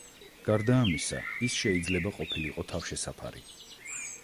გარდა ამისა, ის შეიძლება ყოფილიყო თავშესაფარი.